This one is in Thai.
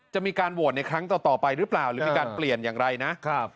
จะมีการโหวตในครั้งต่อไปหรือเปล่าหรือมีการเปลี่ยนอย่างไรนะครับ